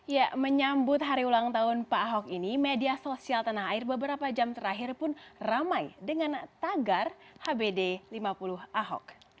ya menyambut hari ulang tahun pak ahok ini media sosial tanah air beberapa jam terakhir pun ramai dengan tagar hbd lima puluh ahok